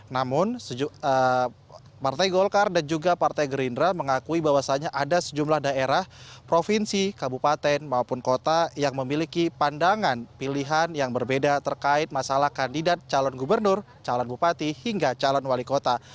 namun partai golkar dan juga partai gerindra mengakui bahwasannya ada sejumlah daerah provinsi kabupaten maupun kota yang memiliki pandangan pilihan yang berbeda terkait masalah kandidat calon gubernur calon bupati hingga calon wali kota